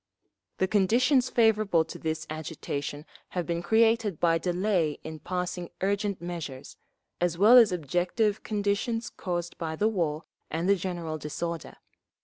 The conditions favourable to this agitation have been created by delay in passing urgent measures, as well as objective conditions caused by the war and the general disorder.